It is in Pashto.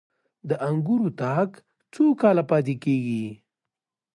د انګورو تاک څو کاله پاتې کیږي؟